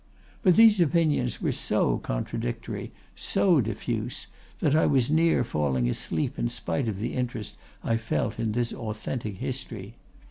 But these opinions were so contradictory, so diffuse, that I was near falling asleep in spite of the interest I felt in this authentic history.